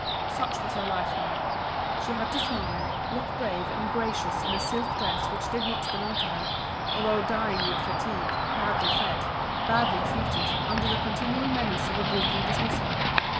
Such was her life now. She had to smile, look brave and gracious in a silk dress which did not belong to her, although dying with fatigue, badly fed, badly treated, under the continual menace of a brutal dismissal.